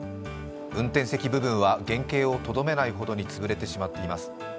運転席部分は原型をとどめないほどに潰れてしまっています。